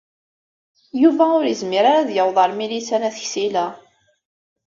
Yuba ur yezmir ara ad yaweḍ ar Milisa n At Ksila.